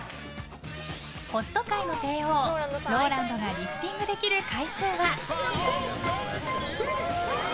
ホスト界の帝王ＲＯＬＡＮＤがリフティングできる回数は。